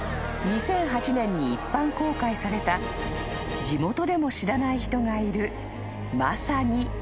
２００８年に一般公開された地元でも知らない人がいるまさに秘境］